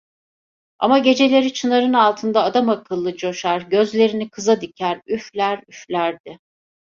Ama geceleri çınarın altında adamakıllı coşar, gözlerini kıza diker, üfler, üflerdi…